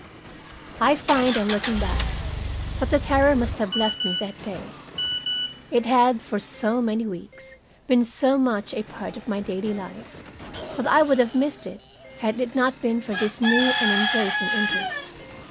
I find, on looking back, that the terror must have left me that day. It had, for so many weeks, been so much a part of my daily life that I would have missed it had it not been for this new and engrossing interest.